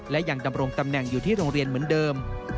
และยังดำรงตำแหน่งอยู่ที่โรงเรียนเหมือนเดิม